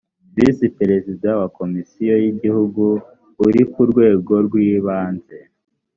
visi perezida wa komisiyo y igihugu uri ku rwegorwibanze